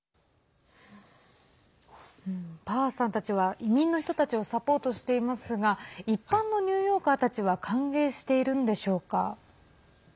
パワーさんたちは移民の人たちをサポートしていますが一般のニューヨーカーたちは歓迎しているんでしょうか。